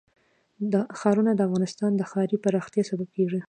ښارونه د افغانستان د ښاري پراختیا سبب کېږي.